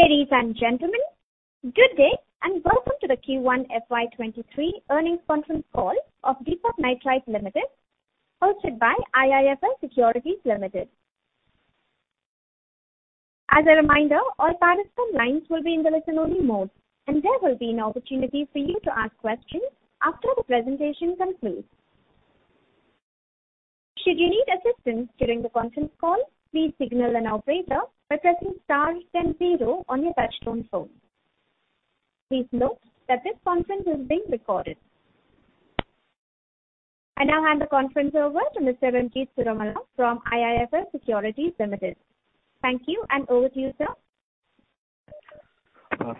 Ladies and gentlemen, good day, and welcome to the Q1 FY 2023 earnings conference call of Deepak Nitrite Limited, hosted by IIFL Securities Limited. As a reminder, all participant lines will be in the listen-only mode, and there will be an opportunity for you to ask questions after the presentation concludes. Should you need assistance during the conference call, please signal an operator by pressing star then zero on your touchtone phone. Please note that this conference is being recorded. I now hand the conference over to Mr. Ranjit Cirumalla from IIFL Securities Limited. Thank you, and over to you, sir.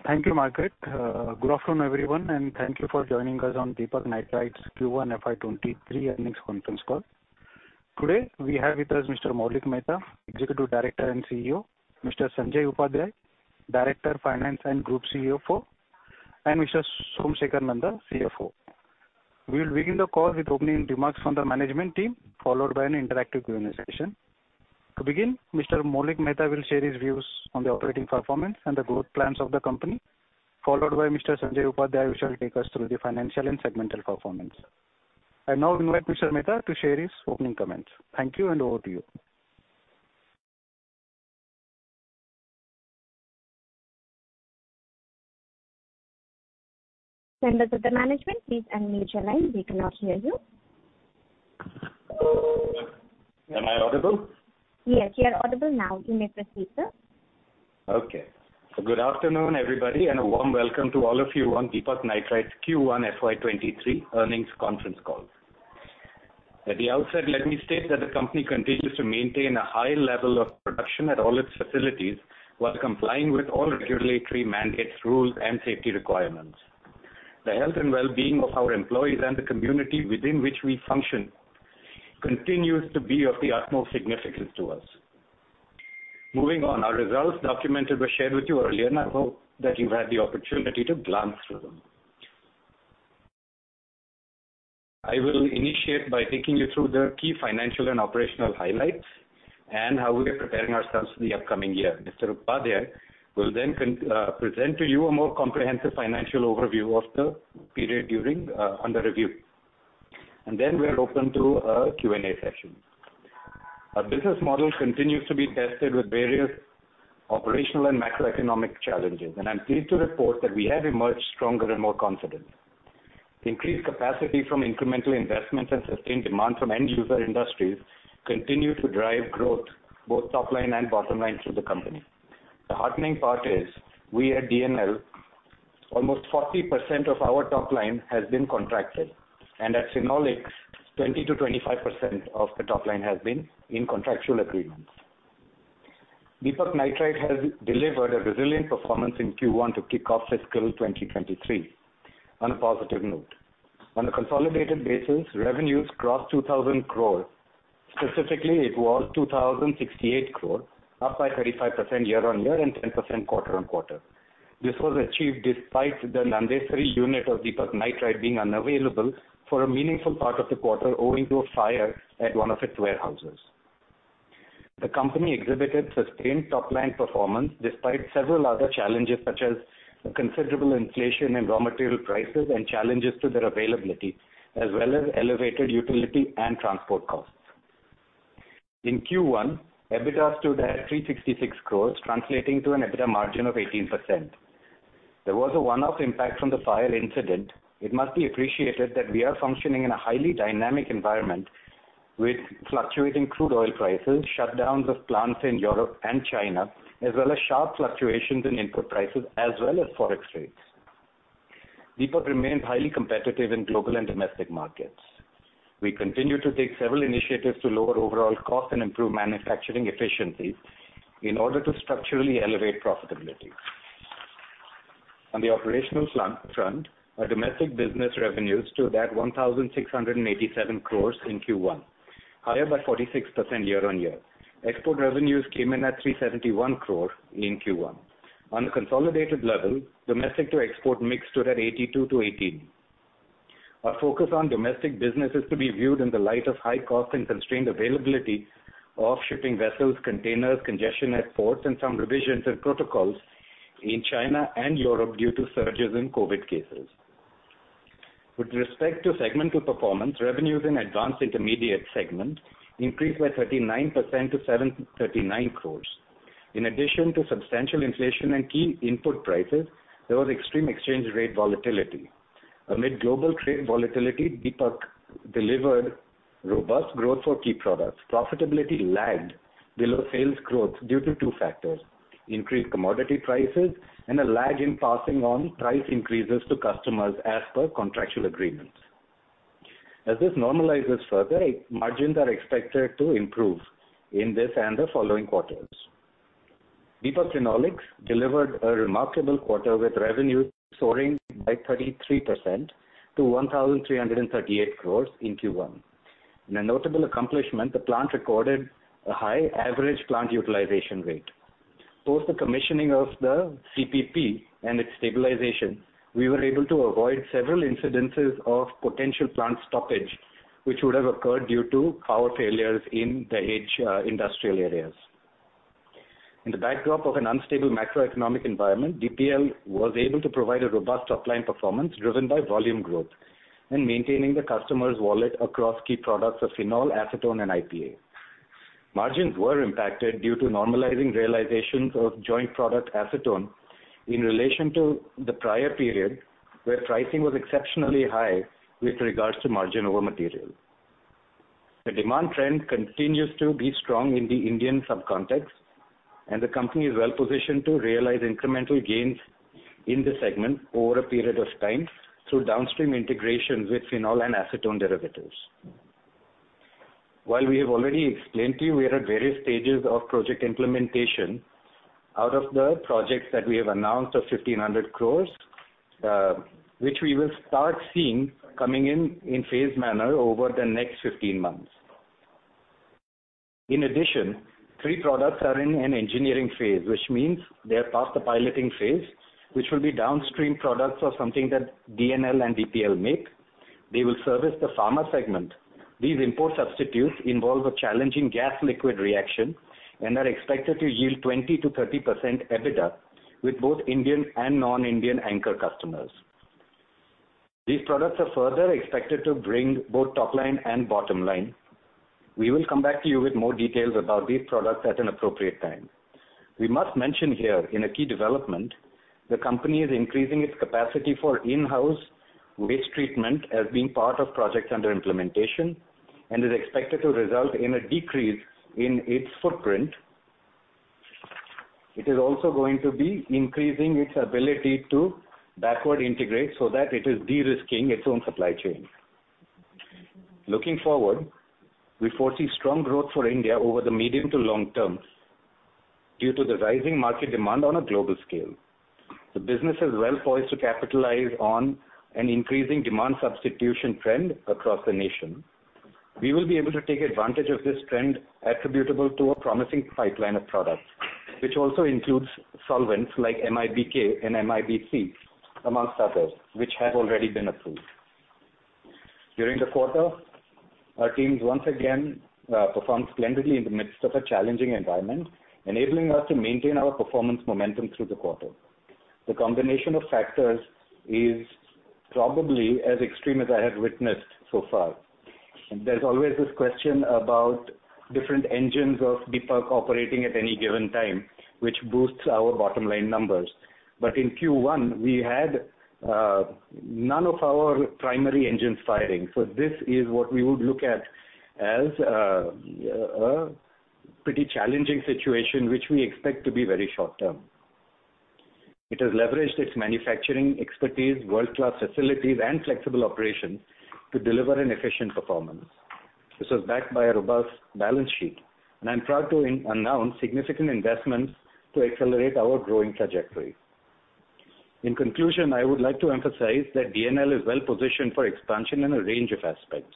Thank you, Margaret. Good afternoon, everyone, and thank you for joining us on Deepak Nitrite's Q1 FY 2023 earnings conference call. Today, we have with us Mr. Maulik Mehta, Executive Director and CEO; Mr. Sanjay Upadhyay, Director Finance and Group CFO; and Mr. Somsekhar Nanda, CFO. We will begin the call with opening remarks from the management team, followed by an interactive Q&A session. To begin, Mr. Maulik Mehta will share his views on the operating performance and the growth plans of the company, followed by Mr. Sanjay Upadhyay who shall take us through the financial and segmental performance. I now invite Mr. Mehta to share his opening comments. Thank you, and over to you. Members of the management, please unmute your line. We cannot hear you. Am I audible? Yes, you are audible now. You may proceed, sir. Okay. Good afternoon, everybody, and a warm welcome to all of you on Deepak Nitrite's Q1 FY 2023 earnings conference call. At the outset, let me state that the company continues to maintain a high level of production at all its facilities while complying with all regulatory mandates, rules, and safety requirements. The health and well-being of our employees and the community within which we function continues to be of the utmost significance to us. Moving on, our documented results were shared with you earlier, and I hope that you've had the opportunity to glance through them. I will initiate by taking you through the key financial and operational highlights and how we are preparing ourselves for the upcoming year. Mr. Upadhyay will then present to you a more comprehensive financial overview of the period under review. Then we are open to a Q&A session. Our business model continues to be tested with various operational and macroeconomic challenges, and I'm pleased to report that we have emerged stronger and more confident. Increased capacity from incremental investments and sustained demand from end user industries continue to drive growth, both top line and bottom line through the company. The heartening part is we at DNL, almost 40% of our top line has been contracted, and at Phenolics, 20%-25% of the top line has been in contractual agreements. Deepak Nitrite has delivered a resilient performance in Q1 to kick off fiscal 2023 on a positive note. On a consolidated basis, revenues crossed 2,000 crore. Specifically, it was 2,068 crore, up by 35% year-over-year and 10% quarter-on-quarter. This was achieved despite the Nandesari unit of Deepak Nitrite being unavailable for a meaningful part of the quarter owing to a fire at one of its warehouses. The company exhibited sustained top-line performance despite several other challenges, such as considerable inflation in raw material prices and challenges to their availability, as well as elevated utility and transport costs. In Q1, EBITDA stood at 366 crore, translating to an EBITDA margin of 18%. There was a one-off impact from the fire incident. It must be appreciated that we are functioning in a highly dynamic environment with fluctuating crude oil prices, shutdowns of plants in Europe and China, as well as sharp fluctuations in input prices, as well as Forex rates. Deepak remains highly competitive in global and domestic markets. We continue to take several initiatives to lower overall costs and improve manufacturing efficiency in order to structurally elevate profitability. On the operational front, our domestic business revenues stood at 1,687 crore in Q1, higher by 46% year-on-year. Export revenues came in at 371 crore in Q1. On a consolidated level, domestic to export mix stood at 82%-18%. Our focus on domestic business is to be viewed in the light of high cost and constrained availability of shipping vessels, containers, congestion at ports, and some revisions and protocols in China and Europe due to surges in COVID cases. With respect to segmental performance, revenues in Advanced Intermediates segment increased by 39% to 739 crore. In addition to substantial inflation and key input prices, there was extreme exchange rate volatility. Amid global trade volatility, Deepak delivered robust growth for key products. Profitability lagged below sales growth due to two factors: increased commodity prices and a lag in passing on price increases to customers as per contractual agreements. As this normalizes further, margins are expected to improve in this and the following quarters. Deepak Phenolics delivered a remarkable quarter with revenue soaring by 33% to 1,338 crores in Q1. In a notable accomplishment, the plant recorded a high average plant utilization rate. Post the commissioning of the CPP and its stabilization, we were able to avoid several incidents of potential plant stoppage, which would have occurred due to power failures in Dahej, industrial areas. In the backdrop of an unstable macroeconomic environment, DPL was able to provide a robust top-line performance driven by volume growth and maintaining the customer's wallet across key products of phenol, acetone, and IPA. Margins were impacted due to normalizing realizations of joint product acetone in relation to the prior period, where pricing was exceptionally high with regards to margin over material. The demand trend continues to be strong in the Indian subcontinent, and the company is well-positioned to realize incremental gains in this segment over a period of time through downstream integration with phenol and acetone derivatives. While we have already explained to you, we are at various stages of project implementation. Out of the projects that we have announced of 1,500 crore, which we will start seeing coming in in phased manner over the next 15 months. In addition, three products are in an engineering phase, which means they are past the piloting phase, which will be downstream products of something that DNL and DPL make. They will service the pharma segment. These import substitutes involve a challenging gas liquid reaction and are expected to yield 20%-30% EBITDA with both Indian and non-Indian anchor customers. These products are further expected to bring both top line and bottom line. We will come back to you with more details about these products at an appropriate time. We must mention here in a key development, the company is increasing its capacity for in-house waste treatment as being part of projects under implementation and is expected to result in a decrease in its footprint. It is also going to be increasing its ability to backward integrate so that it is de-risking its own supply chain. Looking forward, we foresee strong growth for India over the medium to long term due to the rising market demand on a global scale. The business is well poised to capitalize on an increasing demand substitution trend across the nation. We will be able to take advantage of this trend attributable to a promising pipeline of products, which also includes solvents like MIBK and MIBC, amongst others, which have already been approved. During the quarter, our teams once again performed splendidly in the midst of a challenging environment, enabling us to maintain our performance momentum through the quarter. The combination of factors is probably as extreme as I have witnessed so far. There's always this question about different engines of Deepak operating at any given time, which boosts our bottom-line numbers. In Q1, we had none of our primary engines firing. This is what we would look at as a pretty challenging situation, which we expect to be very short-term. It has leveraged its manufacturing expertise, world-class facilities, and flexible operations to deliver an efficient performance. This was backed by a robust balance sheet, and I'm proud to announce significant investments to accelerate our growing trajectory. In conclusion, I would like to emphasize that DNL is well-positioned for expansion in a range of aspects.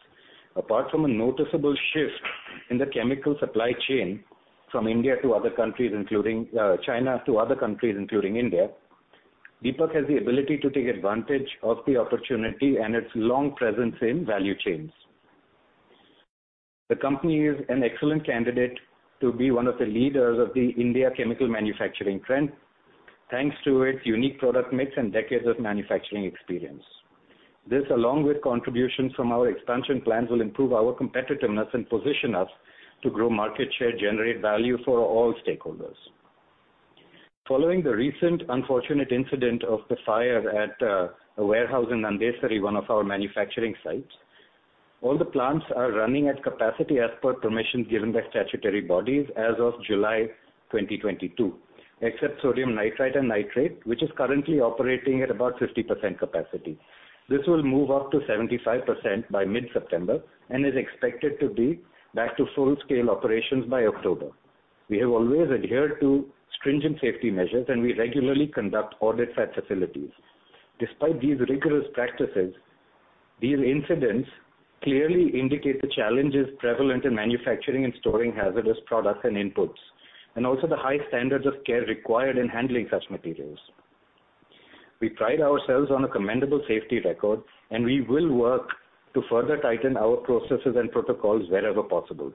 Apart from a noticeable shift in the chemical supply chain from India to other countries including China to other countries, including India, Deepak has the ability to take advantage of the opportunity and its long presence in value chains. The company is an excellent candidate to be one of the leaders of the India chemical manufacturing trend, thanks to its unique product mix and decades of manufacturing experience. This, along with contributions from our expansion plans, will improve our competitiveness and position us to grow market share, generate value for all stakeholders. Following the recent unfortunate incident of the fire at a warehouse in Nandesari, one of our manufacturing sites, all the plants are running at capacity as per permission given by statutory bodies as of July 2022, except sodium nitrite and sodium nitrate, which is currently operating at about 50% capacity. This will move up to 75% by mid-September and is expected to be back to full-scale operations by October. We have always adhered to stringent safety measures, and we regularly conduct audits at facilities. Despite these rigorous practices, these incidents clearly indicate the challenges prevalent in manufacturing and storing hazardous products and inputs and also the high standards of care required in handling such materials. We pride ourselves on a commendable safety record, and we will work to further tighten our processes and protocols wherever possible.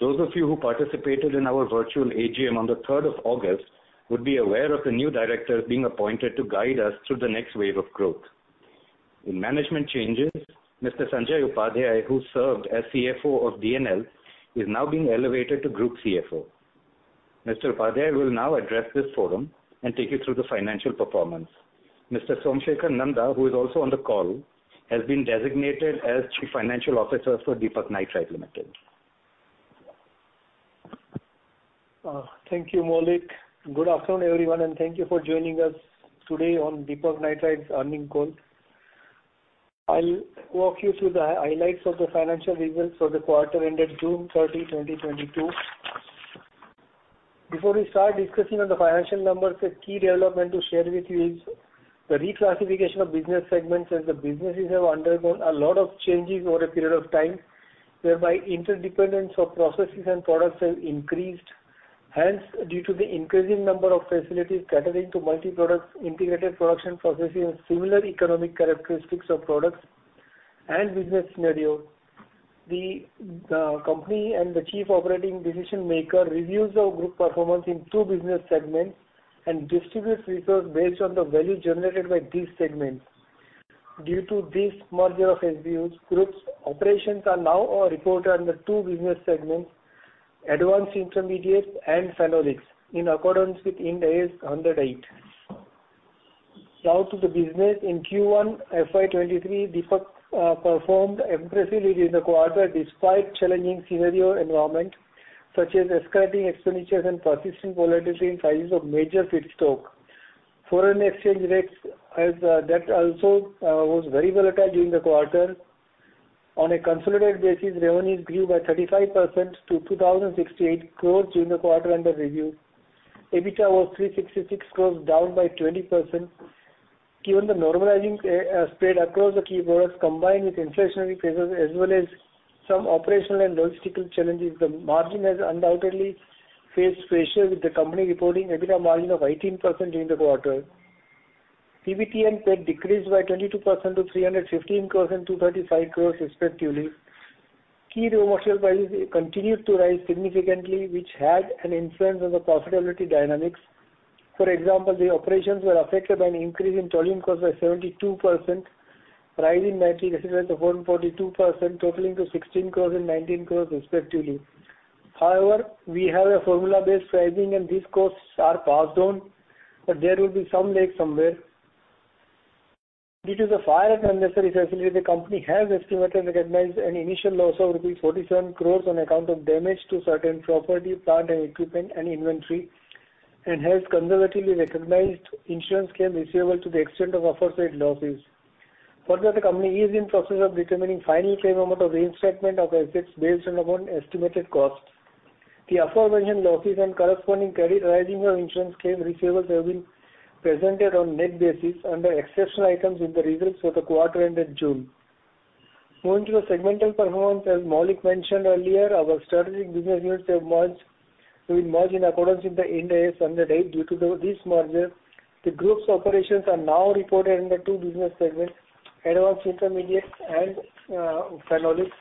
Those of you who participated in our virtual AGM on the third of August would be aware of the new directors being appointed to guide us through the next wave of growth. In management changes, Mr. Sanjay Upadhyay, who served as CFO of DNL, is now being elevated to Group CFO. Mr. Upadhyay will now address this forum and take you through the financial performance. Mr. Somsekhar Nanda, who is also on the call, has been designated as Chief Financial Officer for Deepak Nitrite Limited. Thank you, Maulik. Good afternoon, everyone, and thank you for joining us today on Deepak Nitrite's earnings call. I'll walk you through the highlights of the financial results for the quarter ended June 30, 2022. Before we start discussing on the financial numbers, a key development to share with you is the reclassification of business segments as the businesses have undergone a lot of changes over a period of time, whereby interdependence of processes and products have increased. Hence, due to the increasing number of facilities catering to multi-products, integrated production processes, similar economic characteristics of products and business scenario, the company and the chief operating decision maker reviews the group performance in two business segments and distributes resource based on the value generated by these segments. Due to this merger of SBUs, group's operations are now reported under two business segments, Advanced Intermediates and Phenolics, in accordance with Ind AS 108. Now to the business. In Q1 FY 2023, Deepak performed impressively during the quarter despite challenging macro environment, such as escalating expenditures and persistent volatility in prices of major feedstock. Foreign exchange rates also were very volatile during the quarter. On a consolidated basis, revenues grew by 35% to 2,068 crore during the quarter under review. EBITDA was 366 crore, down by 20%. Given the normalizing spread across the key products, combined with inflationary pressures as well as some operational and logistical challenges, the margin has undoubtedly faced pressure, with the company reporting EBITDA margin of 18% during the quarter. PBT and PAT decreased by 22% to 315 crore and 235 crore respectively. Key raw material prices continued to rise significantly, which had an influence on the profitability dynamics. For example, the operations were affected by an increase in chlorine costs by 72%, rise in nitric acid by 142%, totaling to 16 crore and 19 crore respectively. However, we have a formula-based pricing, and these costs are passed on, but there will be some lag somewhere. Due to the fire at Nandesari facility, the company has estimated and recognized an initial loss of rupees 47 crore on account of damage to certain property, plant and equipment and inventory, and has conservatively recognized insurance claim receivable to the extent of aforesaid losses. Further, the company is in process of determining final claim amount of reinstatement of assets based upon estimated costs. The aforementioned losses and corresponding carrying of insurance claim receivables have been presented on net basis under exceptional items in the results for the quarter ended June. Moving to the segmental performance, as Maulik mentioned earlier, our strategic business units have been merged in accordance with Ind AS 108. Due to this merger, the group's operations are now reported under two business segments, Advanced Intermediates and Phenolics.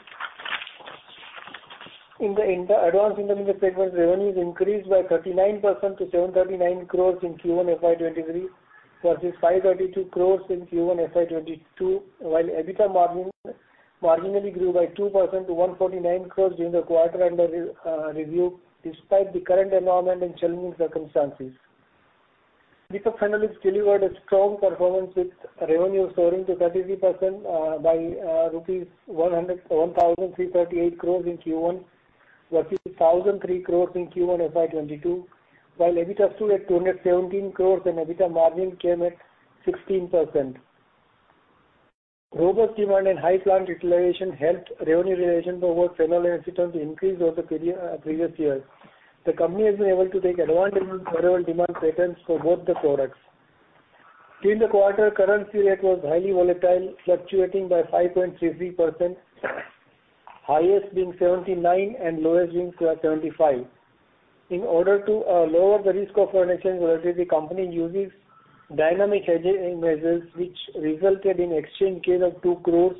In the Advanced Intermediates segment, revenues increased by 39% to 739 crores in Q1 FY 2023 versus 532 crores in Q1 FY 2022, while EBITDA margin marginally grew by 2% to 149 crores during the quarter under review, despite the current environment and challenging circumstances. Deepak Phenolics delivered a strong performance with revenue soaring to 33%, by rupees 1,338 crores in Q1 versus 1,003 crores in Q1 FY 2022, while EBITDA stood at 217 crores and EBITDA margin came at 16%. Robust demand and high plant utilization helped revenue realization towards phenol and acetone to increase over the period previous year. The company has been able to take advantage of favorable demand patterns for both the products. During the quarter, currency rate was highly volatile, fluctuating by 5.33%, highest being 79 and lowest being 75. In order to lower the risk of foreign exchange volatility, company uses dynamic hedging measures, which resulted in exchange gain of 2 crores.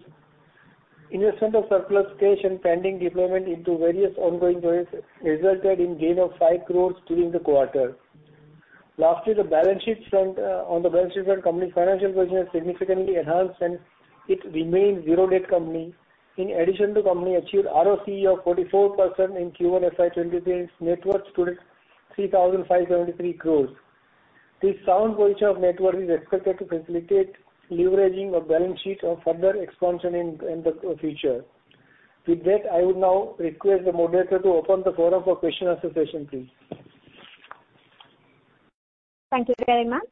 Investment of surplus cash and pending deployment into various ongoing projects resulted in gain of 5 crore during the quarter. Lastly, on the balance sheet front, the company's financial position has significantly enhanced, and it remains zero debt company. In addition, the company achieved ROCE of 44% in Q1 FY 2023, and its net worth stood at 3,573 crore. This sound position of net worth is expected to facilitate leveraging of balance sheet for further expansion in the future. With that, I would now request the moderator to open the forum for question and answer session, please. Thank you very much.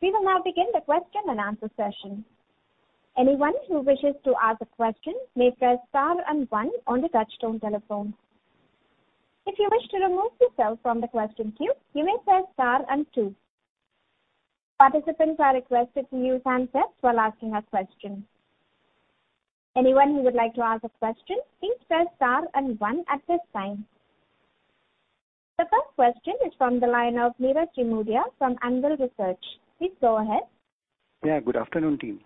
We will now begin the question and answer session. Anyone who wishes to ask a question may press star and one on the touchtone telephone. If you wish to remove yourself from the question queue, you may press star and two. Participants are requested to use handsets while asking a question. Anyone who would like to ask a question, please press star and one at this time. The first question is from the line of Nirav Jimudia from Anvil Research. Please go ahead. Yeah, good afternoon, team.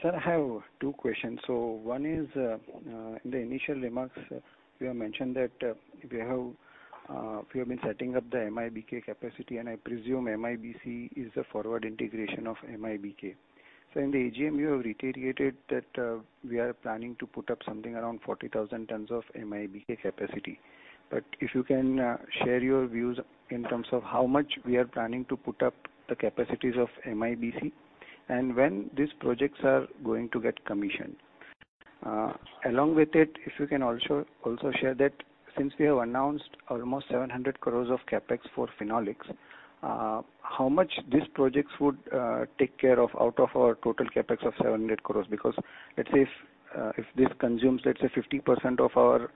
Sir, I have two questions. One is, in the initial remarks, you have mentioned that, we have been setting up the MIBK capacity, and I presume MIBC is the forward integration of MIBK. In the AGM, you have reiterated that, we are planning to put up something around 40,000 tons of MIBK capacity. If you can share your views in terms of how much we are planning to put up the capacities of MIBC, and when these projects are going to get commissioned. Along with it, if you can also share that since we have announced almost 700 crores of CapEx for Phenolics, how much these projects would take care of out of our total CapEx of 700 crores? Because let's say if this consumes, let's say 50% of our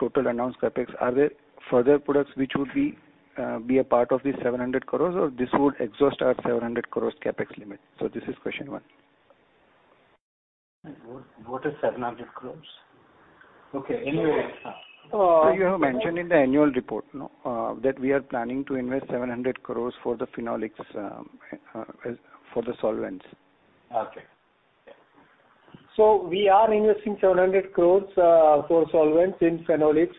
total announced CapEx. Are there further products which would be a part of the 700 crores, or this would exhaust our 700 crores CapEx limit? This is question one. What is 700 crore? Okay. Anyway, You have mentioned in the annual report that we are planning to invest 700 crore for the Phenolics, for the solvents. Okay. We are investing 700 crore for solvents in Phenolics.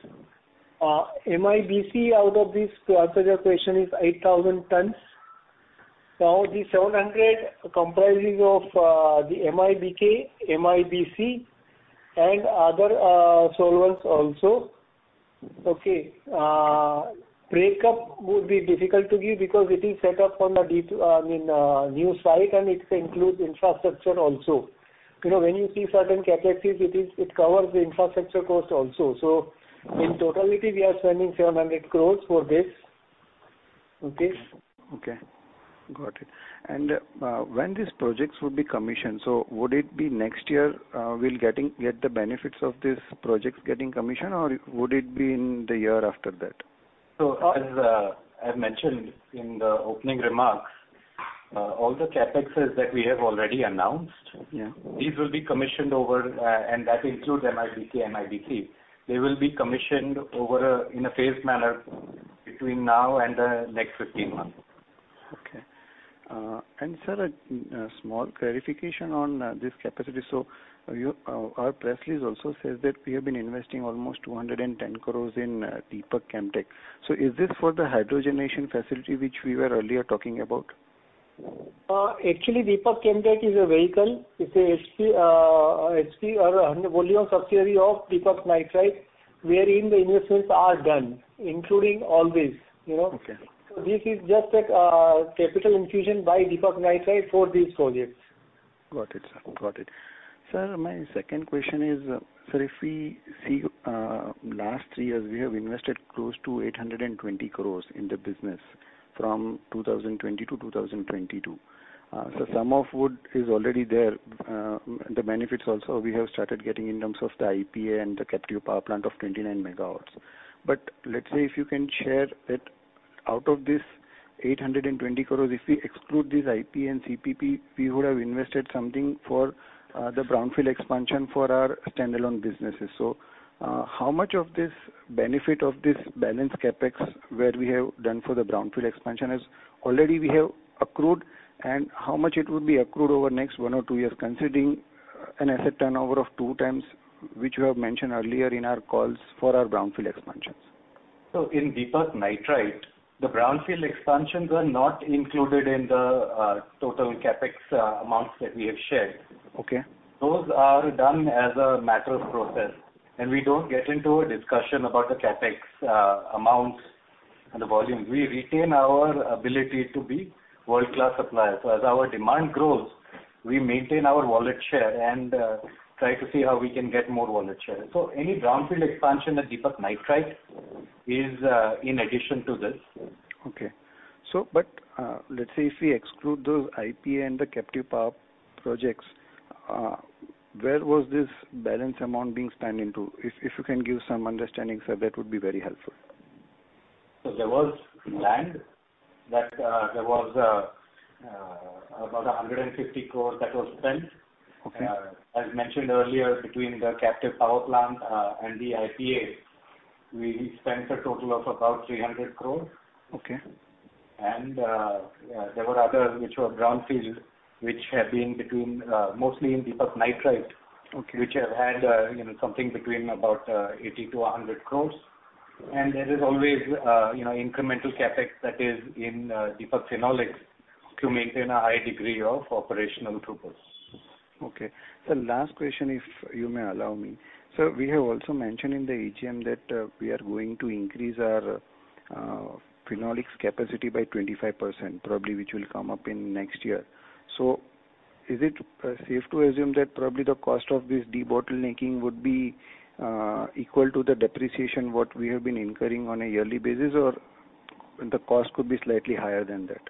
MIBC out of this, to answer your question, is 8,000 tons. Now, the 700 crore comprising of the MIBK, MIBC and other solvents also. Okay. Breakup would be difficult to give because it is set up on a new site, and it includes infrastructure also. You know, when you see certain CapExes, it is, it covers the infrastructure cost also. In totality, we are spending 700 crore for this. Okay? Okay. Got it. When these projects will be commissioned, so would it be next year, get the benefits of these projects getting commissioned, or would it be in the year after that? I mentioned in the opening remarks, all the CapExes that we have already announced. Yeah. These will be commissioned, and that includes MIBK, MIBC. They will be commissioned in a phased manner between now and the next 15 months. Okay. Sir, a small clarification on this capacity. Our press release also says that we have been investing almost 210 crores in Deepak Chem Tech. Is this for the hydrogenation facility which we were earlier talking about? Actually, Deepak Chem Tech is a vehicle. It's a 100%, 100% owned subsidiary of Deepak Nitrite, wherein the investments are done, including all these, you know. Okay. This is just a capital infusion by Deepak Nitrite for these projects. Got it, sir. Got it. Sir, my second question is, sir, if we see, last three years, we have invested close to 820 crores in the business from 2020-2022. Some of what is already there, the benefits also we have started getting in terms of the IPA and the captive power plant of 29 MW. Let's say if you can share that out of this 820 crores, if we exclude this IPA and CPP, we would have invested something for, the brownfield expansion for our standalone businesses. How much of this benefit of this balanced CapEx, where we have done for the brownfield expansion is already we have accrued, and how much it would be accrued over next one or two years, considering an asset turnover of 2x, which you have mentioned earlier in our calls for our brownfield expansions? In Deepak Nitrite, the brownfield expansions are not included in the total CapEx amounts that we have shared. Okay. Those are done as a natural process, and we don't get into a discussion about the CapEx, amounts and the volume. We retain our ability to be world-class suppliers. As our demand grows, we maintain our wallet share and, try to see how we can get more wallet share. Any brownfield expansion at Deepak Nitrite is, in addition to this. Okay. Let's say if we exclude those IPA and the captive power projects, where was this balance amount being spent into? If you can give some understanding, sir, that would be very helpful. There was land that about 150 crores that was spent. Okay. As mentioned earlier, between the captive power plant and the IPA, we spent a total of about 300 crore. Okay. There were others which were brownfield, which have been between, mostly in Deepak Nitrite. Okay. Which have had, you know, something between about 80 crores-100 crores. There is always, you know, incremental CapEx that is in Deepak Phenolics to maintain a high degree of operational uptime. Okay. Sir, last question, if you may allow me. Sir, we have also mentioned in the AGM that, we are going to increase our, Phenolics capacity by 25%, probably which will come up in next year. Is it safe to assume that probably the cost of this debottlenecking would be, equal to the depreciation what we have been incurring on a yearly basis, or the cost could be slightly higher than that?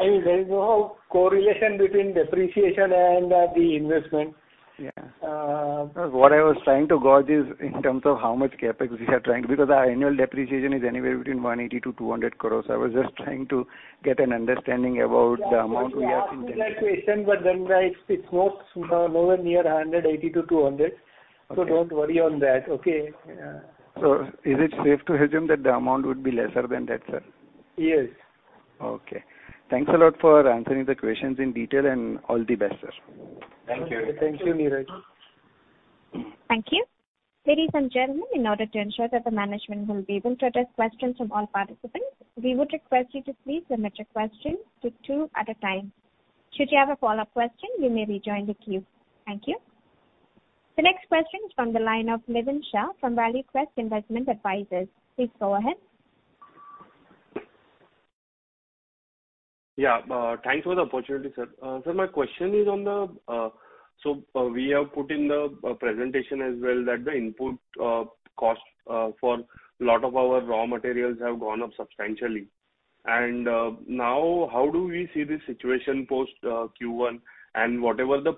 I mean, there is no correlation between depreciation and the investment. Yeah. What I was trying to gauge is in terms of how much CapEx we are trying, because our annual depreciation is anywhere between 180 crores-200 crores. I was just trying to get an understanding about the amount we are intending. Yeah. We asked you that question, but then, it's not nowhere near 180 crores-200 crores. Okay. Don't worry on that. Okay? Yeah. Is it safe to assume that the amount would be lesser than that, sir? Yes. Okay. Thanks a lot for answering the questions in detail, and all the best, sir. Thank you. Thank you, Nirav. Thank you. Ladies and gentlemen, in order to ensure that the management will be able to address questions from all participants, we would request you to please limit your question to two at a time. Should you have a follow-up question, you may rejoin the queue. Thank you. The next question is from the line of Levin Shah from ValueQuest Investment Advisors. Please go ahead. Yeah. Thanks for the opportunity, sir. Sir, my question is, we have put in the presentation as well that the input cost for lot of our raw materials have gone up substantially. Now, how do we see the situation post Q1 and whatever the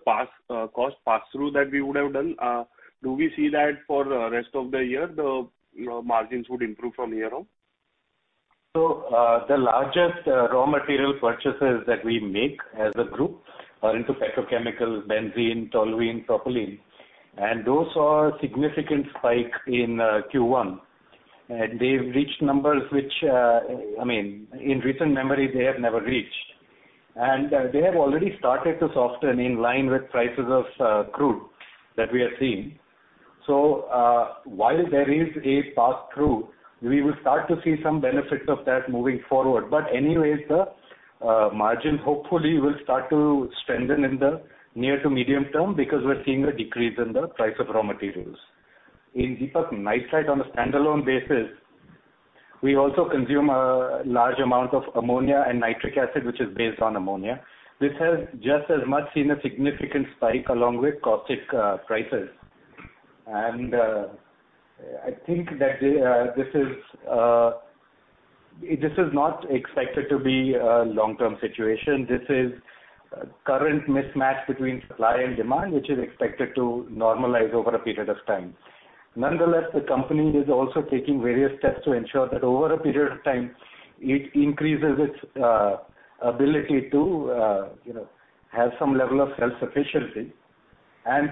cost pass-through that we would have done? Do we see that for the rest of the year, you know, the margins would improve from here on? The largest raw material purchases that we make as a group are into petrochemical, benzene, toluene, propylene, and those saw a significant spike in Q1. They've reached numbers which, I mean, in recent memory, they have never reached. They have already started to soften in line with prices of crude that we are seeing. While there is a pass-through, we will start to see some benefits of that moving forward. Anyways, the margin hopefully will start to strengthen in the near to medium term because we're seeing a decrease in the price of raw materials. In Deepak Nitrite on a standalone basis, we also consume a large amount of ammonia and nitric acid, which is based on ammonia. This has just as much seen a significant spike along with caustic prices. I think that this is not expected to be a long-term situation. This is current mismatch between supply and demand, which is expected to normalize over a period of time. Nonetheless, the company is also taking various steps to ensure that over a period of time, it increases its ability to, you know, have some level of self-sufficiency.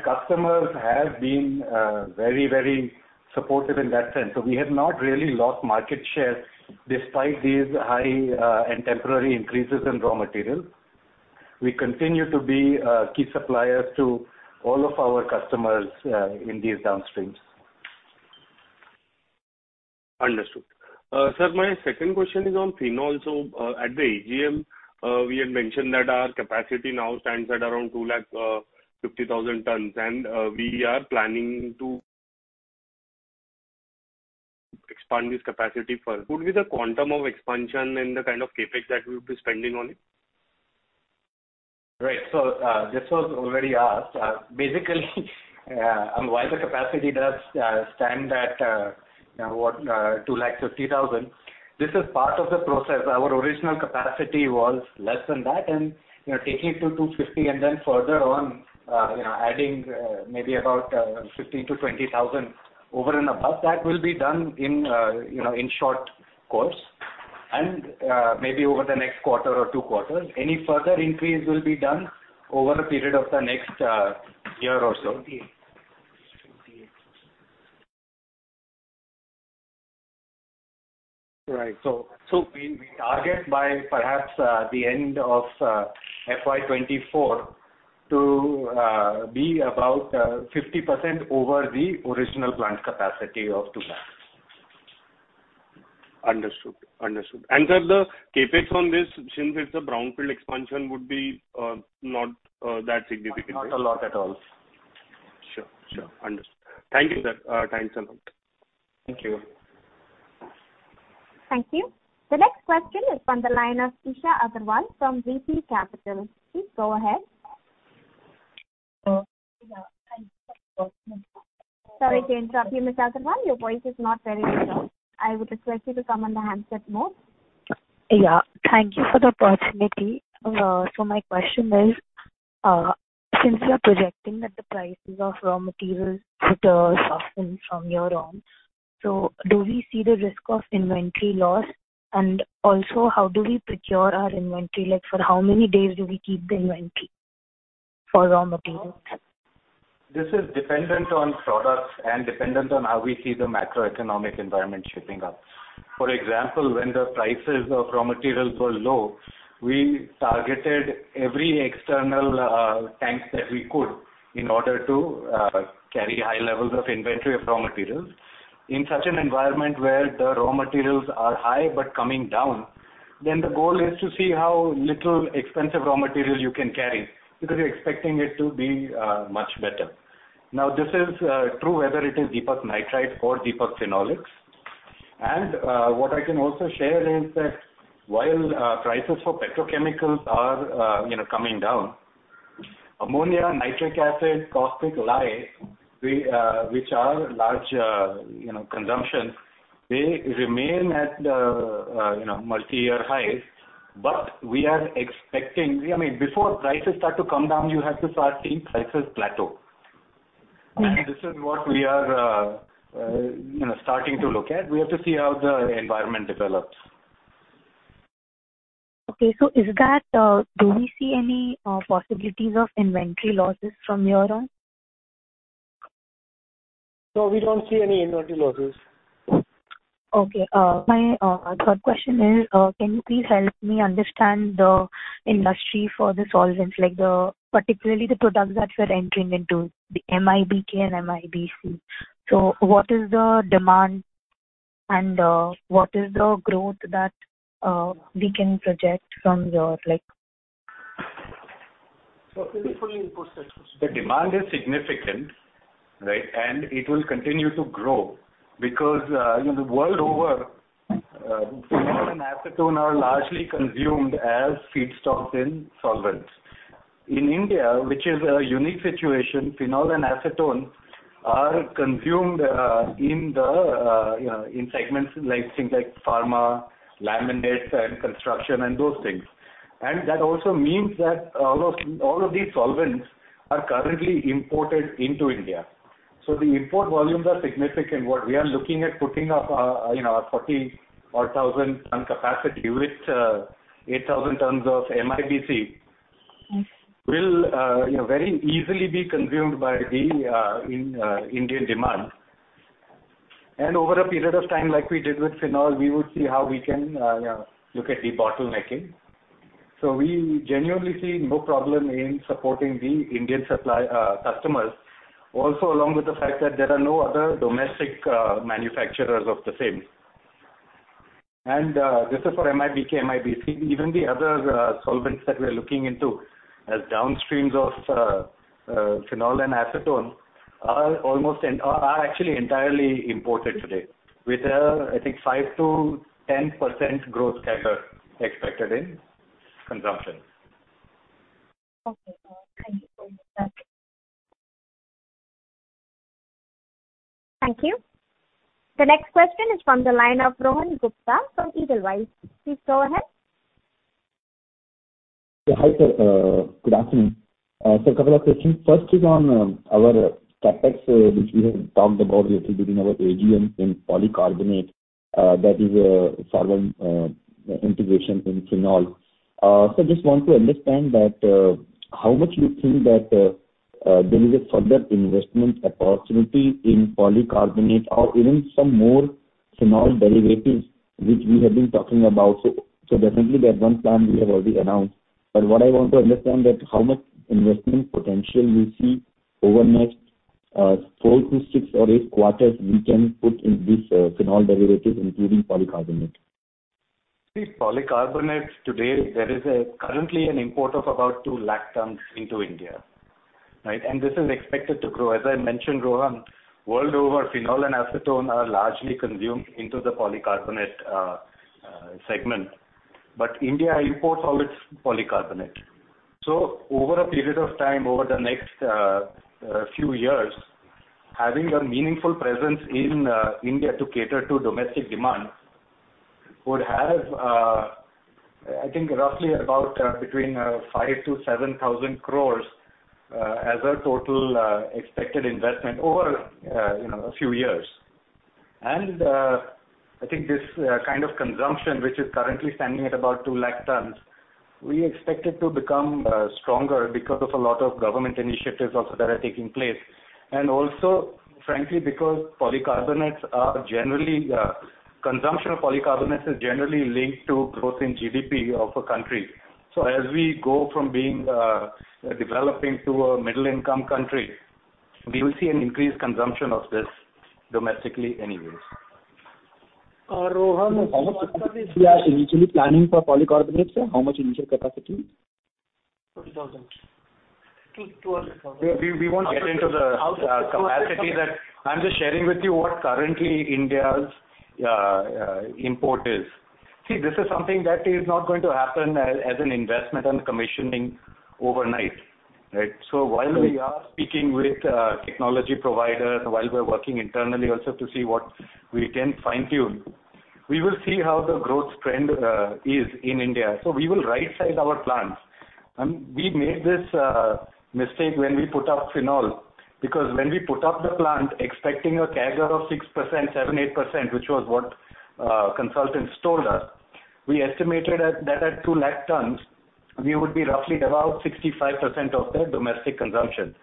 Customers have been very, very supportive in that sense. We have not really lost market share despite these high and temporary increases in raw material. We continue to be key suppliers to all of our customers in these downstreams. Understood. Sir, my second question is on Phenol. At the AGM, you had mentioned that your capacity now stands at around 250,000 tons, and you are planning to expand this capacity further. What would be the quantum of expansion and the kind of CapEx that you would be spending on it? This was already asked. Basically, while the capacity does stand at now 250,000 tons. This is part of the process. Our original capacity was less than that and, you know, taking it to 250,000 tons, and then further on, you know, adding maybe about 15,000 tons-20,000 tons over and above that will be done in, you know, in short course, and maybe over the next quarter or two quarters. Any further increase will be done over a period of the next year or so. Right. We target by perhaps the end of FY 2024 to be about 50% over the original plant capacity of 2 lakhs. Understood. Sir, the CapEx on this, since it's a brownfield expansion, would be not that significant. Not a lot at all. Sure. Understood. Thank you, sir. Time's up. Thank you. Thank you. The next question is on the line of Isha Agarwal from VP Capital. Please go ahead. Yeah. Thank you for the opportunity. Sorry to interrupt you, Ms. Agarwal. Your voice is not very clear. I would request you to come on the handset mode. Yeah. Thank you for the opportunity. My question is, since you are projecting that the prices of raw materials further soften from here on, so do we see the risk of inventory loss? And also, how do we procure our inventory? Like, for how many days do we keep the inventory for raw materials? This is dependent on products and dependent on how we see the macroeconomic environment shaping up. For example, when the prices of raw materials were low, we targeted every external tanks that we could in order to carry high levels of inventory of raw materials. In such an environment where the raw materials are high but coming down, then the goal is to see how little expensive raw material you can carry because you're expecting it to be much better. Now, this is true whether it is Deepak Nitrite or Deepak Phenolics. What I can also share is that while prices for petrochemicals are you know coming down, ammonia, nitric acid, caustic lye, which are large you know consumption, they remain at you know multi-year highs. We are expecting... I mean, before prices start to come down, you have to start seeing prices plateau. Mm-hmm. This is what we are, you know, starting to look at. We have to see how the environment develops. Do we see any possibilities of inventory losses from here on? No, we don't see any inventory losses. Okay. My third question is, can you please help me understand the industry for the solvents, like, particularly the products that we're entering into, the MIBK and MIBC. What is the demand and, what is the growth that we can project from your Can you please repeat the question? The demand is significant, right? It will continue to grow because, you know, world over, methanol and acetone are largely consumed as feedstocks in solvents. In India, which is a unique situation, phenol and acetone are consumed, you know, in segments like things like pharma, laminates and construction and those things. That also means that all of these solvents are currently imported into India. The import volumes are significant. What we are looking at putting up, you know, a 44,000-ton capacity with 8,000 tons of MIBC will, you know, very easily be consumed by the Indian demand. Over a period of time, like we did with phenol, we would see how we can look at debottlenecking. We genuinely see no problem in supporting the Indian supply customers. Also, along with the fact that there are no other domestic manufacturers of the same. This is for MIBC. Even the other solvents that we are looking into as downstreams of phenol and acetone are actually entirely imported today with, I think, 5%-10% growth CAGR expected in consumption. Okay. Thank you so much. Thank you. The next question is from the line of Rohan Gupta from Edelweiss. Please go ahead. Yeah, hi, sir. Good afternoon. A couple of questions. First is on our CapEx, which we had talked about yesterday during our AGM in polycarbonate, that is forward integration in phenol. Just want to understand that how much you think that there is a further investment opportunity in polycarbonate or even some more phenol derivatives which we have been talking about. Definitely that one plant we have already announced. But what I want to understand that how much investment potential we see over next four to six quarters or eight quarters we can put in this phenol derivatives, including polycarbonate. See, polycarbonate today, there is currently an import of about 2 lakh tons into India, right? This is expected to grow. As I mentioned, Rohan, world over, phenol and acetone are largely consumed into the polycarbonate segment. India imports all its polycarbonate. Over a period of time, over the next few years, having a meaningful presence in India to cater to domestic demand would have, I think roughly about between 5,000 crores-7,000 crores as a total expected investment over you know a few years. I think this kind of consumption, which is currently standing at about 2 lakh tons, we expect it to become stronger because of a lot of government initiatives also that are taking place, and also frankly because polycarbonates are generally. Consumption of polycarbonates is generally linked to growth in GDP of a country. As we go from being a developing to a middle income country, we will see an increased consumption of this domestically anyways. Rohan. How much capacity we are initially planning for Polycarbonate, sir? How much initial capacity? 20,000 tons. 200,000 tons. We won't get into the capacity that I'm just sharing with you what currently India's import is. See, this is something that is not going to happen as an investment and commissioning overnight, right? While we are speaking with technology providers, while we're working internally also to see what we can fine-tune, we will see how the growth trend is in India. We will right-size our plants. We made this mistake when we put up phenol, because when we put up the plant expecting a CAGR of 6%, 7%-8%, which was what consultants told us, we estimated that at 2 lakh tons, we would be roughly about 65% of the domestic consumption.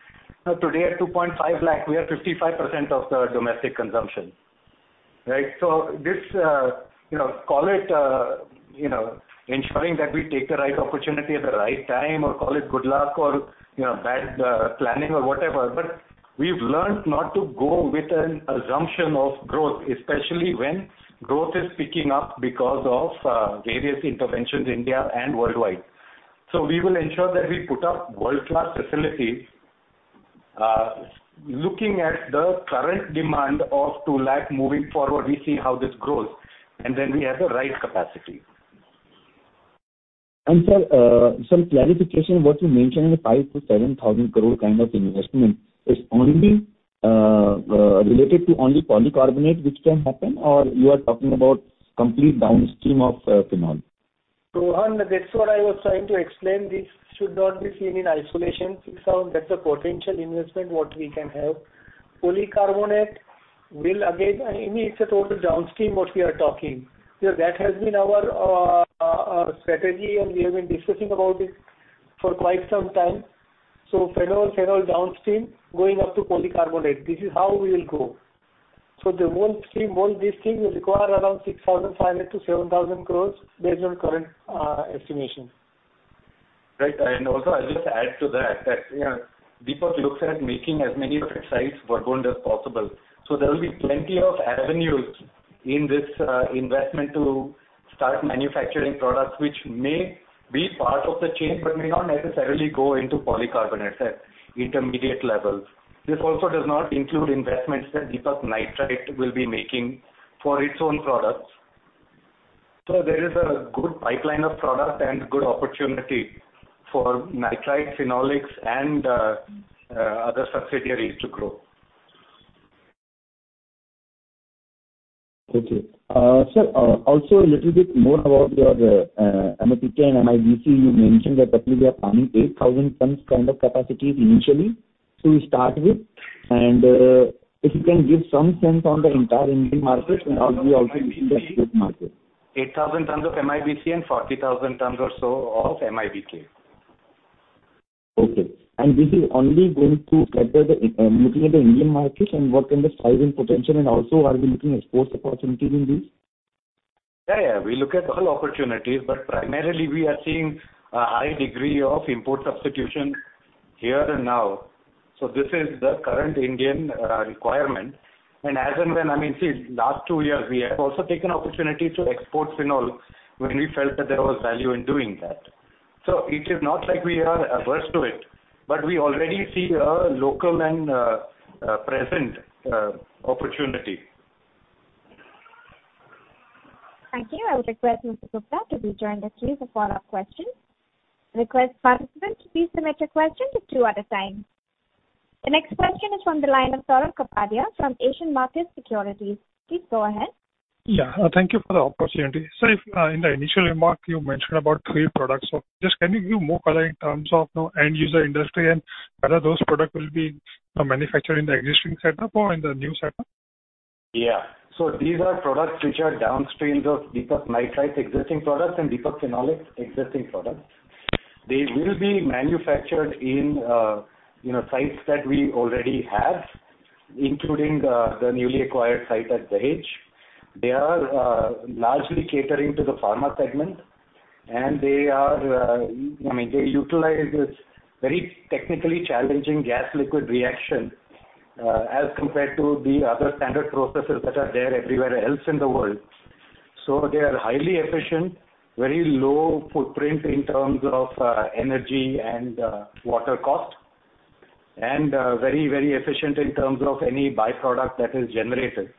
Now, today at 2.5 lakh, we are 55% of the domestic consumption, right? This, you know, call it, you know, ensuring that we take the right opportunity at the right time, or call it good luck or, you know, bad planning or whatever, but we've learned not to go with an assumption of growth, especially when growth is picking up because of various interventions in India and worldwide. We will ensure that we put up world-class facilities, looking at the current demand of 2 lakh tons. Moving forward, we see how this grows, and then we have the right capacity. Sir, some clarification. What you mentioned, the 5,000 crore-7,000 crore kind of investment is only related to only polycarbonate which can happen, or you are talking about complete downstream of phenol? Rohan, that's what I was trying to explain. This should not be seen in isolation. That's a potential investment what we can have. Polycarbonate will again, I mean, it's a total downstream what we are talking. That has been our our strategy, and we have been discussing about it for quite some time. Phenol downstream going up to polycarbonate, this is how we will go. The whole stream, whole this thing will require around 6,500 crore-7,000 crore based on current estimation. Right. I'll just add to that, you know, Deepak looks at making as many of his sites vertically integrated as possible. There will be plenty of avenues in this investment to start manufacturing products which may be part of the chain but may not necessarily go into polycarbonate at intermediate levels. This also does not include investments that Deepak Nitrite will be making for its own products. There is a good pipeline of product and good opportunity for Nitrite, Phenolics and other subsidiaries to grow. Okay. Sir, also a little bit more about your MIBK and MIBC. You mentioned that actually you are planning 8,000 tons kind of capacities initially to start with, and if you can give some sense on the entire Indian market and how we also reach the export market? 8,000 tons of MIBC and 40,000 tons or so of MIBK. Okay. Looking at the Indian markets and what is the size and potential and also are we looking at export opportunities in these? Yeah, yeah. We look at all opportunities, but primarily we are seeing a high degree of import substitution here and now. This is the current Indian requirement. As and when I mean, see, last two years, we have also taken opportunity to export Phenol when we felt that there was value in doing that. It is not like we are averse to it, but we already see a local and present opportunity. Thank you. I would request Mr. Gupta to join us, please, for follow-up questions. Request participants to please submit your questions two at a time. The next question is from the line of Saurabh Kapadia from Asian Markets Securities. Please go ahead. Thank you for the opportunity. Sir, if in the initial remark you mentioned about three products. Just can you give more color in terms of, you know, end user industry and whether those products will be, you know, manufactured in the existing setup or in the new setup? Yeah. These are products which are downstreams of Deepak Nitrite's existing products and Deepak Phenolics' existing products. They will be manufactured in you know sites that we already have, including the newly acquired site at Dahej. They are largely catering to the pharma segment, and they are I mean they utilize this very technically challenging gas liquid reaction as compared to the other standard processes that are there everywhere else in the world. They are highly efficient, very low footprint in terms of energy and water cost, and very very efficient in terms of any by-product that is generated.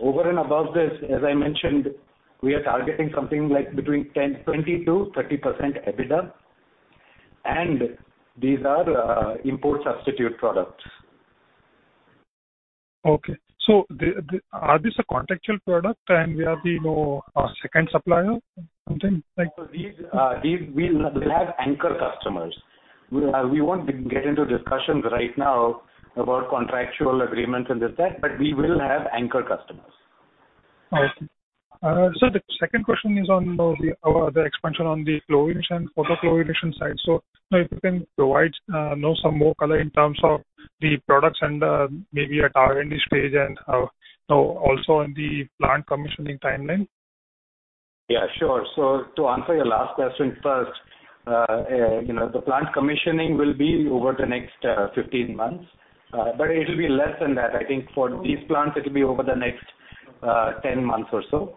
Over and above this, as I mentioned, we are targeting something like between 10%, 20%-30% EBITDA, and these are import substitute products. Is this a contractual product and we are the, you know, second supplier or something like- These we'll have anchor customers. We won't get into discussions right now about contractual agreements and this that, but we will have anchor customers. Okay. The second question is on the expansion on the chlorination, photochlorination side. You know, if you can provide, you know, some more color in terms of the products and, maybe the industry and, you know, also on the plant commissioning timeline. Yeah, sure. To answer your last question first, you know, the plant commissioning will be over the next 15 months, but it'll be less than that. I think for these plants, it'll be over the next 10 months or so.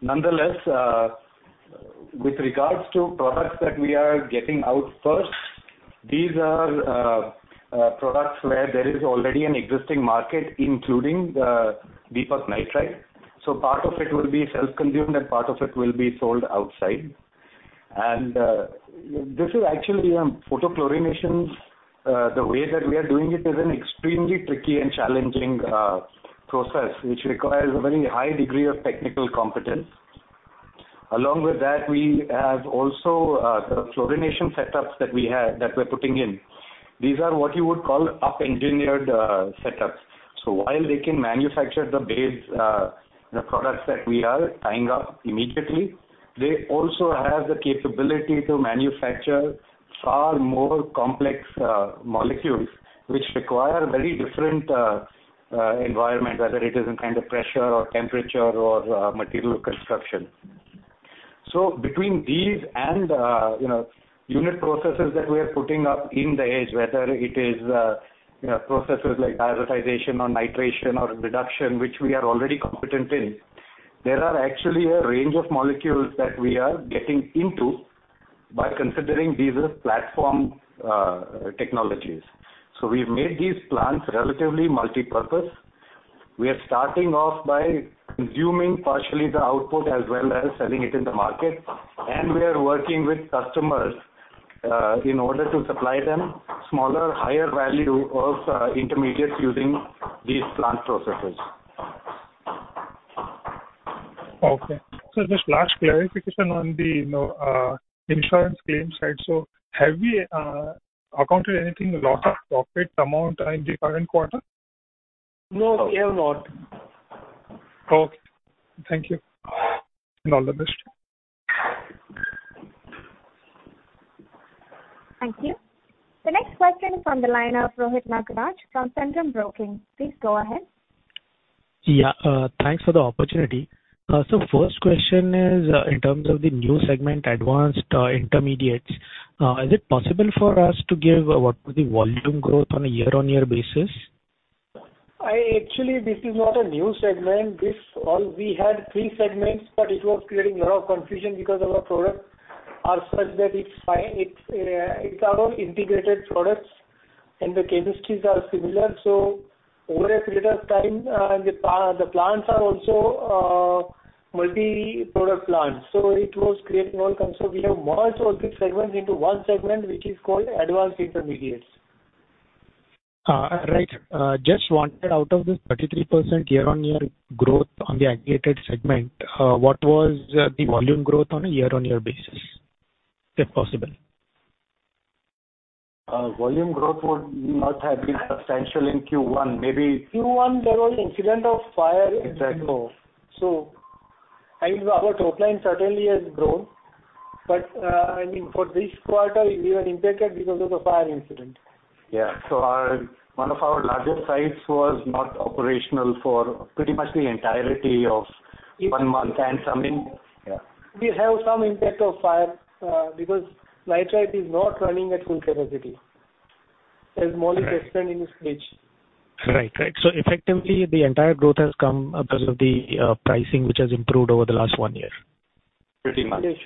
Nonetheless, with regards to products that we are getting out first, these are products where there is already an existing market, including the Deepak Nitrite. Part of it will be self-consumed, and part of it will be sold outside. This is actually photochlorination. The way that we are doing it is an extremely tricky and challenging process which requires a very high degree of technical competence. Along with that, we have also the chlorination setups that we had, that we're putting in. These are what you would call up-engineered setups. While they can manufacture the base, the products that we are tying up immediately, they also have the capability to manufacture far more complex molecules which require very different environment, whether it is in kind of pressure or temperature or material construction. Between these and you know unit processes that we are putting up in Dahej, whether it is you know processes like diazotization or nitration or reduction, which we are already competent in, there are actually a range of molecules that we are getting into by considering these as platform technologies. We've made these plants relatively multipurpose. We are starting off by consuming partially the output as well as selling it in the market. We are working with customers in order to supply them smaller, higher value of intermediates using these plant processes. Okay. Just last clarification on the, you know, insurance claim side. Have we accounted anything, a lot of profit amount in the current quarter? No, we have not. Okay. Thank you. All the best. Thank you. The next question is from the line of Rohit Nagraj from Centrum Broking. Please go ahead. Yeah. Thanks for the opportunity. First question is, in terms of the new segment, Advanced Intermediates, is it possible for us to give what would the volume growth on a year-on-year basis? Actually, this is not a new segment. This all we had three segments, but it was creating a lot of confusion because our products are such that it's fine. It's our own integrated products. The chemistries are similar, so over a period of time, the plants are also multi-product plants. It was creating more concern. We have merged those two segments into one segment, which is called Advanced Intermediates. Right. Just wondered out of this 33% year-on-year growth on the aggregated segment, what was the volume growth on a year-on-year basis, if possible? Volume growth would not have been substantial in Q1. Maybe Q1, there was an incident of fire. Exactly. I mean, our top line certainly has grown. I mean, for this quarter we were impacted because of the fire incident. One of our larger sites was not operational for pretty much the entirety of one month and some in. We have some impact of fire, because Deepak Nitrite is not running at full capacity. As Maulik explained in his speech. Right. Effectively, the entire growth has come because of the pricing, which has improved over the last one year. Pretty much. Yes.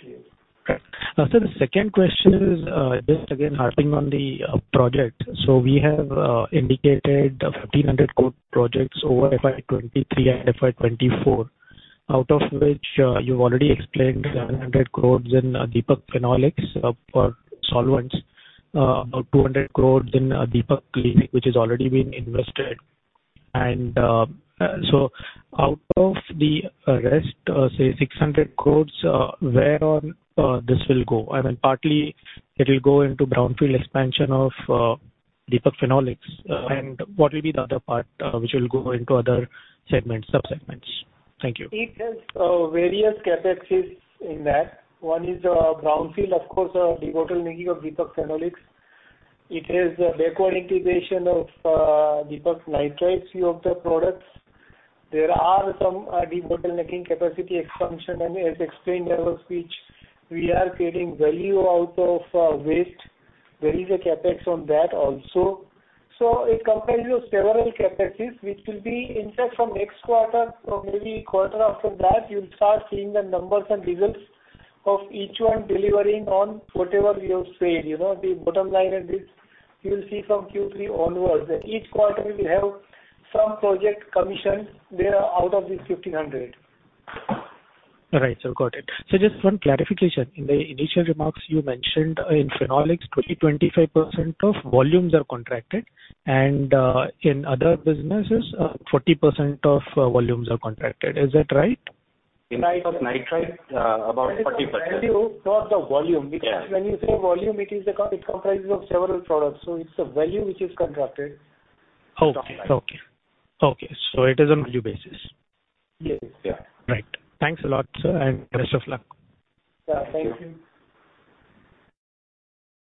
Right. Now, sir, the second question is, just again harping on the project. We have indicated 1,500 crore projects over FY 2023 and FY 2024, out of which you've already explained 700 crores in Deepak Phenolics for solvents. About 200 crores in Deepak Chem Tech, which has already been invested. Out of the rest, say 600 crores, where all this will go? I mean, partly it will go into brownfield expansion of Deepak Phenolics. What will be the other part, which will go into other segments, sub-segments? Thank you. It has various CapExes in that. One is brownfield, of course, debottlenecking of Deepak Phenolics. It has backward integration of Deepak Nitrite's few of the products. There are some debottlenecking capacity expansion. As explained in our speech, we are creating value out of waste. There is a CapEx on that also. It comprises of several CapExes which will be. In fact from next quarter or maybe quarter after that, you'll start seeing the numbers and results of each one delivering on whatever we have said. You know, the bottom line and this you will see from Q3 onwards, that each quarter we will have some project commissioned there out of this 1,500 crores. Right. Got it. Just one clarification. In the initial remarks you mentioned, in Phenolics, 25% of volumes are contracted and, in other businesses, 40% of volumes are contracted. Is that right? In case of nitrite, about 40%. Value, not the volume. Yeah. Because when you say volume, it comprises of several products. It's the value which is contracted. Okay. It is on value basis. Yes. Yeah. Right. Thanks a lot, sir, and best of luck. Yeah, thank you.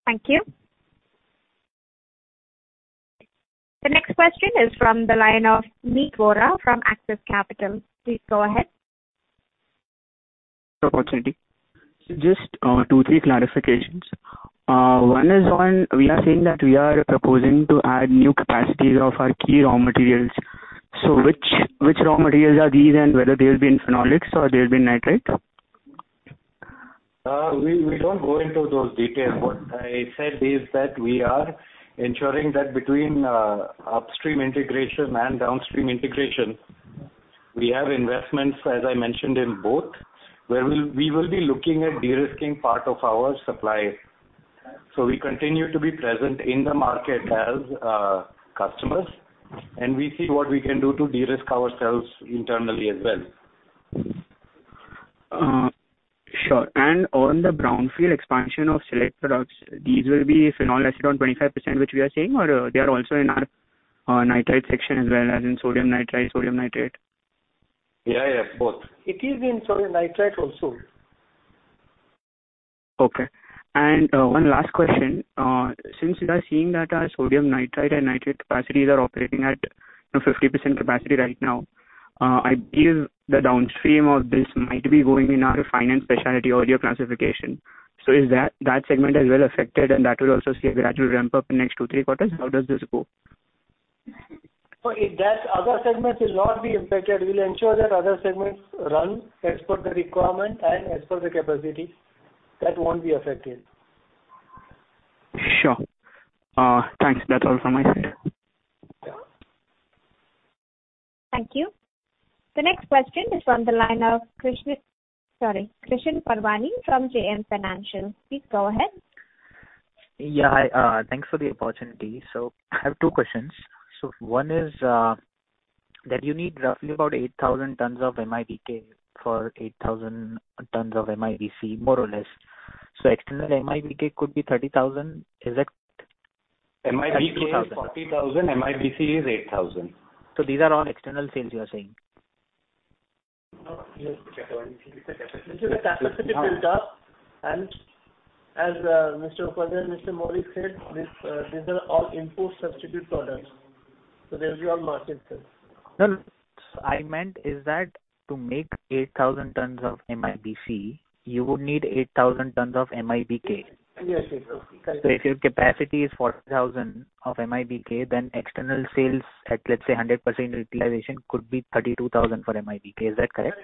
Thank you. The next question is from the line of Nevil Vora from Axis Capital. Please go ahead. Opportunity. Just, two, three clarifications. One is on, we are saying that we are proposing to add new capacities of our key raw materials. Which raw materials are these and whether they'll be in Phenolics or they'll be in Nitrite? We don't go into those details. What I said is that we are ensuring that between upstream integration and downstream integration, we have investments, as I mentioned, in both, where we will be looking at de-risking part of our supply. We continue to be present in the market as customers, and we see what we can do to de-risk ourselves internally as well. Sure. On the brownfield expansion of select products, these will be phenol, nitric acid on 25%, which we are saying, they are also in our Nitrite section as well as in sodium nitrite, sodium nitrate? Yeah, yeah, both. It is in sodium nitrite also. Okay. One last question. Since we are seeing that our sodium nitrite and sodium nitrate capacities are operating at, you know, 50% capacity right now, I feel the downstream of this might be going in our fine and specialty chemicals classification. Is that segment as well affected and that will also see a gradual ramp-up in next two to three quarters? How does this go? In that, other segments will not be impacted. We'll ensure that other segments run as per the requirement and as per the capacity. That won't be affected. Sure. Thanks. That's all from my side. Thank you. The next question is from the line of Krishan Parwani from JM Financial, please go ahead. Yeah. Thanks for the opportunity. I have two questions. One is, that you need roughly about 8,000 tons of MIBK for 8,000 tons of MIBC, more or less. External MIBK could be 30,000 tons. Is that correct? MIBK is 40,000 tons. MIBC is 8,000 tons. These are all external sales, you are saying? No, we have to check on it. This is a capacity built up and as Mr. Upadhyay and Mr. Maulik said, these are all import substitute products, so there will be all market sales. No, I meant is that to make 8,000 tons of MIBC, you would need 8,000 tons of MIBK. Yes, yes. Correct. If your capacity is 40,000 tons of MIBK, then external sales at, let's say, 100% utilization could be 32,000 tons for MIBK. Is that correct?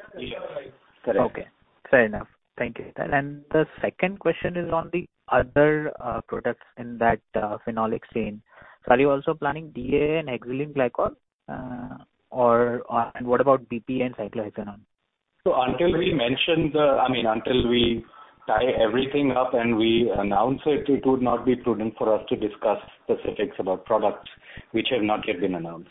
Okay, fair enough. Thank you. The second question is on the other products in that Phenolics scene. Are you also planning BPA and ethylene glycol? Or, and what about BPA and cyclohexane? Until we tie everything up and we announce it would not be prudent for us to discuss specifics about products which have not yet been announced.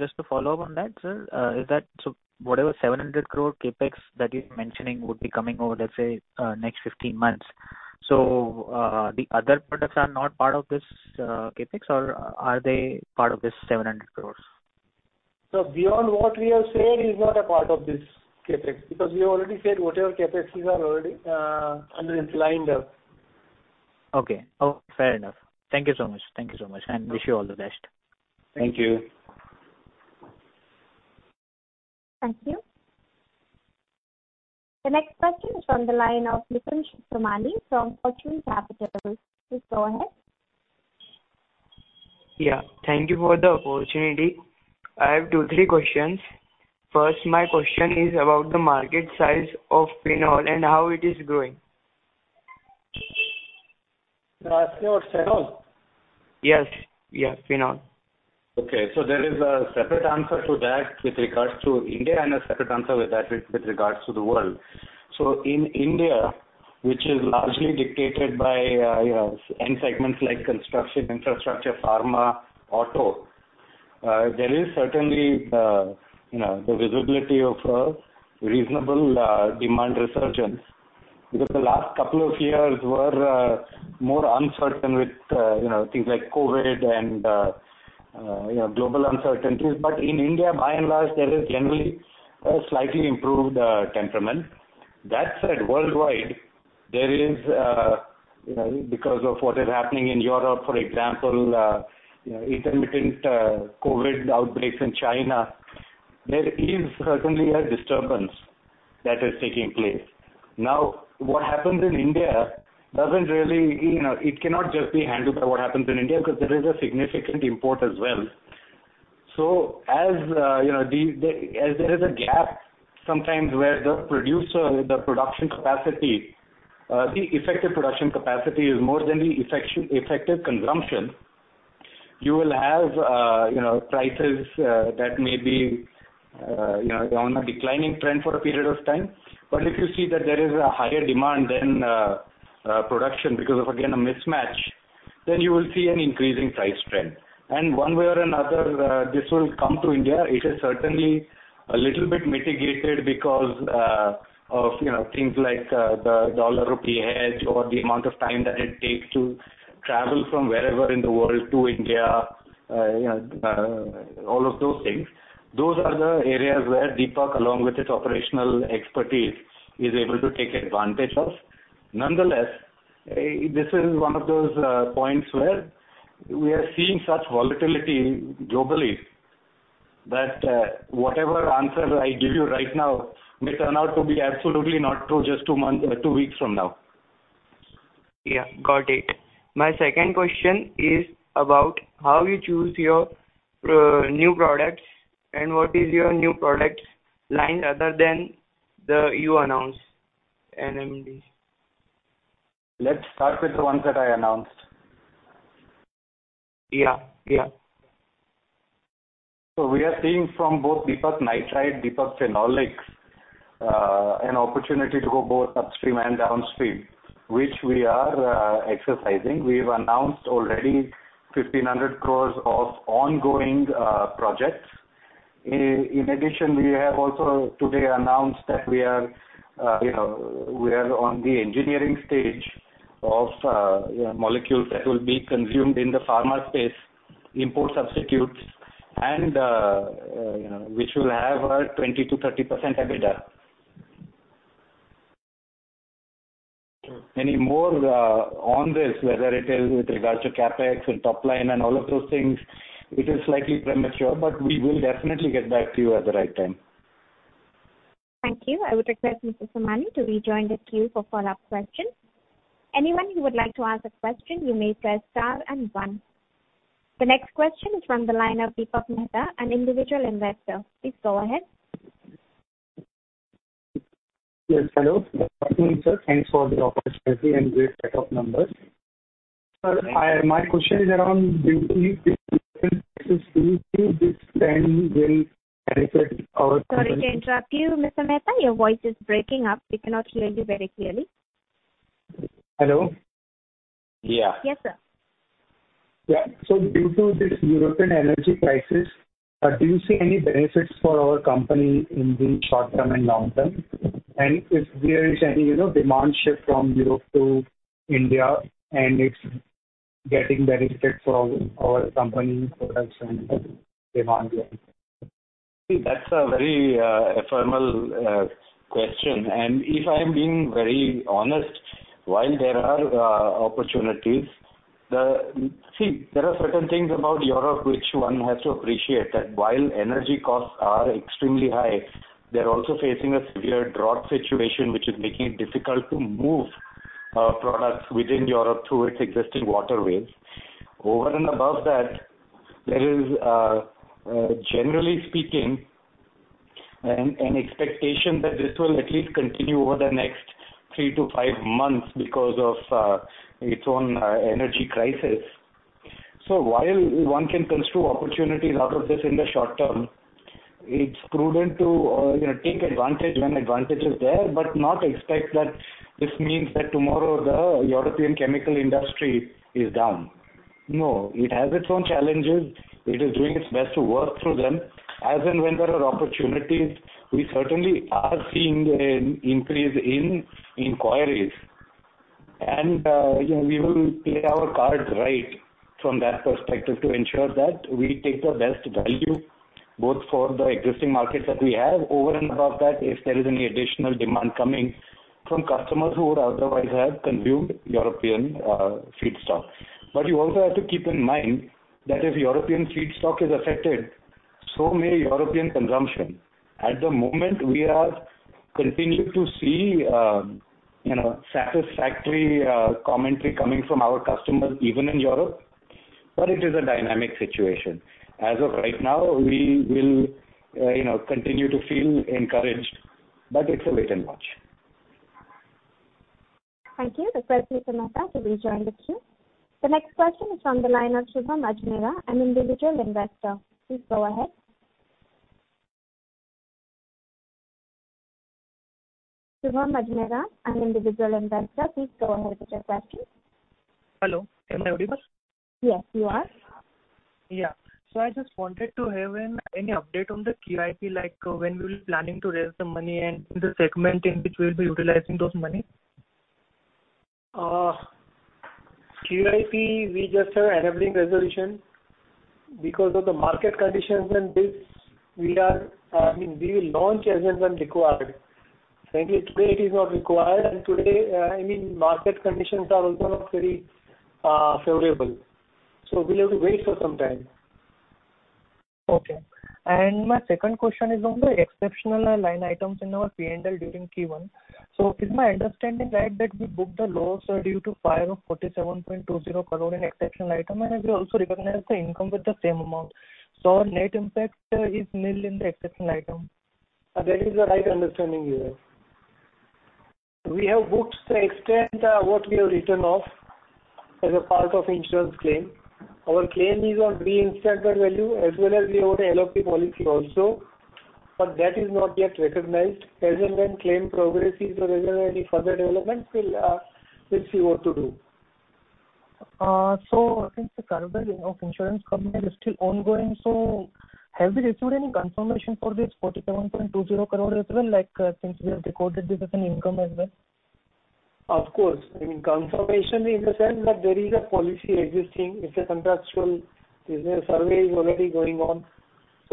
Just to follow up on that, sir, is that so whatever 700 crore CapEx that you're mentioning would be coming over, let's say, next 15 months? The other products are not part of this CapEx, or are they part of this 700 crores? Beyond what we have said is not a part of this CapEx, because we already said whatever CapEx we have already, and it's lined up. Okay. Fair enough. Thank you so much. Thank you so much, and wish you all the best. Thank you. Thank you. The next question is from the line of Nikunj Somani from Fortune Capital. Please go ahead. Yeah. Thank you for the opportunity. I have two, three questions. First, my question is about the market size of Phenol and how it is growing. You're asking about Phenol? Yes. Yes, Phenol. Okay. There is a separate answer to that with regards to India and a separate answer with regards to the world. In India, which is largely dictated by, you know, end segments like construction, infrastructure, pharma, auto, there is certainly, you know, the visibility of a reasonable, demand resurgence because the last couple of years were, more uncertain with, you know, things like COVID and, you know, global uncertainties. In India, by and large, there is generally a slightly improved, temperament. That said, worldwide, there is, you know, because of what is happening in Europe, for example, you know, intermittent, COVID outbreaks in China, there is certainly a disturbance that is taking place. Now, what happens in India doesn't really it cannot just be handled by what happens in India because there is a significant import as well. As there is a gap sometimes where the producer, the production capacity, the effective production capacity is more than the effective consumption, you will have prices that may be on a declining trend for a period of time. If you see that there is a higher demand than production because of, again, a mismatch, then you will see an increasing price trend. One way or another, this will come to India. It is certainly a little bit mitigated because of, you know, things like the dollar rupee hedge or the amount of time that it takes to travel from wherever in the world to India, you know, all of those things. Those are the areas where Deepak, along with its operational expertise, is able to take advantage of. Nonetheless, this is one of those points where we are seeing such volatility globally that whatever answer I give you right now may turn out to be absolutely not true just two months or two weeks from now. Yeah. Got it. My second question is about how you choose your new products and what is your new product line other than the one you announced in AGM? Let's start with the ones that I announced. Yeah. Yeah. We are seeing from both Deepak Nitrite, Deepak Phenolics, an opportunity to go both upstream and downstream, which we are exercising. We've announced already 1,500 crore of ongoing projects. In addition, we have also today announced that we are, you know, we are on the engineering stage of, you know, molecules that will be consumed in the pharma space, import substitutes and, you know, which will have a 20%-30% EBITDA. Sure. Any more, on this, whether it is with regards to CapEx and top line and all of those things, it is slightly premature, but we will definitely get back to you at the right time. Thank you. I would request Mr. Somani to rejoin the queue for follow-up questions. Anyone who would like to ask a question, you may press star and one. The next question is from the line of Deepak Mehta, an individual investor. Please go ahead. Yes. Hello. Good morning, sir. Thanks for the opportunity and great set of numbers. Sir, my question is around due to this European energy crisis, do you see this trend will benefit our company? Sorry to interrupt you, Mr. Mehta. Your voice is breaking up. We cannot hear you very clearly. Hello? Yeah. Yes, sir. Yeah. Due to this European energy crisis, do you see any benefits for our company in the short term and long term? If there is any, you know, demand shift from Europe to India and it's getting benefit for our company products and demand there. See, that's a very ephemeral question. If I'm being very honest, while there are opportunities, there are certain things about Europe which one has to appreciate that while energy costs are extremely high, they're also facing a severe drought situation, which is making it difficult to move our products within Europe through its existing waterways. Over and above that, there is generally speaking an expectation that this will at least continue over the next three to five months because of its own energy crisis. While one can construe opportunities out of this in the short term, it's prudent to you know take advantage when advantage is there, but not expect that this means that tomorrow the European chemical industry is done. No, it has its own challenges. It is doing its best to work through them. As and when there are opportunities, we certainly are seeing an increase in inquiries. Yeah, we will play our cards right from that perspective to ensure that we take the best value both for the existing markets that we have. Over and above that, if there is any additional demand coming from customers who would otherwise have consumed European feedstock. You also have to keep in mind that if European feedstock is affected, so may European consumption. At the moment, we are continuing to see, you know, satisfactory commentary coming from our customers even in Europe, but it is a dynamic situation. As of right now, we will, you know, continue to feel encouraged, but it's a wait and watch. Thank you. The question is on hold till we join the queue. The next question is from the line of Shubham Ajmera, an individual investor. Please go ahead. Shubham Ajmera, an individual investor. Please go ahead with your question. Hello. Am I audible? Yes, you are. Yeah. I just wanted to have any update on the QIP, like when we'll be planning to raise the money and the segment in which we'll be utilizing those money? QIP, we just had an equity resolution because of the market conditions and thus we are, I mean, we will launch as and when required. Frankly, today it is not required, and today, I mean, market conditions are also not very favorable. We'll have to wait for some time. Okay. My second question is on the exceptional line items in our P&L during Q1. Is my understanding right that we booked the loss due to fire of 47.20 crore in exceptional item, and we also recognized the income with the same amount. Our net impact is nil in the exceptional item. That is the right understanding, yes. We have booked the extent, what we have written off as a part of insurance claim. Our claim is on reinstated value as well as we hold a LOP policy also, but that is not yet recognized. As and when claim progresses or there is any further development, we'll see what to do. I think the survey of insurance company is still ongoing, so have you received any confirmation for this 47.20 crore as well, like, since we have recorded this as an income as well? Of course. I mean, confirmation in the sense that there is a policy existing. It's a contractual business. Survey is already going on.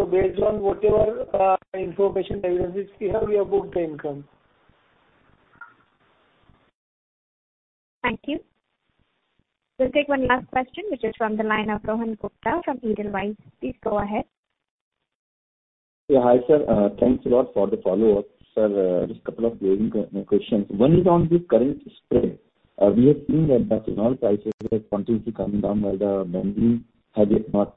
Based on whatever information they give us, we have rebooked the income. Thank you. We'll take one last question, which is from the line of Rohan Gupta from Edelweiss. Please go ahead. Yeah, hi, sir. Thanks a lot for the follow-up. Sir, just couple of very quick questions. One is on the current spread. We have seen that the Phenol prices have continuously coming down while the Benzene has yet not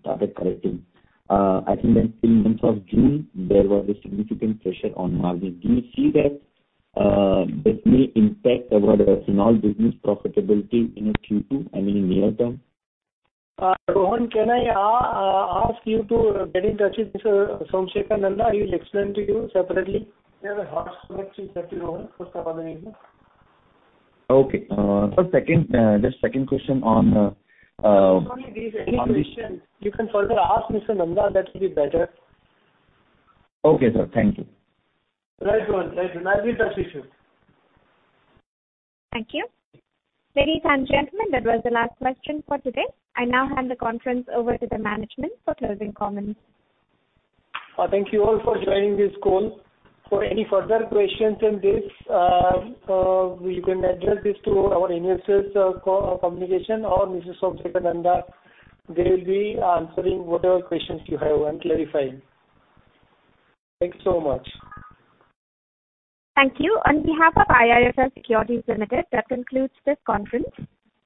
started correcting. I think that in month of June, there was a significant pressure on margin. Do you see that this may impact our Phenol business profitability in the Q2 and in near term? Rohan, can I ask you to get in touch with Mr. Somsekhar Nanda. He will explain to you separately. He has a hard speech that you won't understand anyway. Okay. Second, just second question on this. If only there is any question, you can further ask Mr. Nanda, that will be better. Okay, sir. Thank you. Right, Rohan. I'll be in touch with you. Thank you. Ladies and gentlemen, that was the last question for today. I now hand the conference over to the management for closing comments. Thank you all for joining this call. For any further questions in this, you can address this to our investor communications or Mr. Somsekhar Nanda. They will be answering whatever questions you have and clarifying. Thanks so much. Thank you. On behalf of IIFL Securities Limited, that concludes this conference.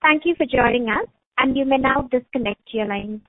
Thank you for joining us, and you may now disconnect your lines.